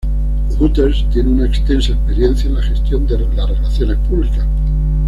Hooters tiene una extensa experiencia en la gestión de las relaciones públicas.